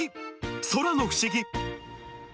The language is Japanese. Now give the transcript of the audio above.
空の不思議。